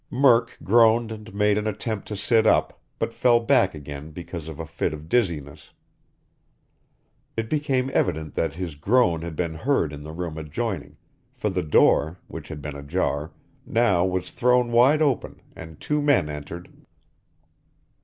Murk groaned and made an attempt to sit up, but fell back again because of a fit of dizziness. It became evident that his groan had been heard in the room adjoining, for the door, which had been ajar, now was thrown open wide, and two men entered.